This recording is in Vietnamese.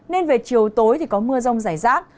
nên về chiều tối thì có mưa rông rải rác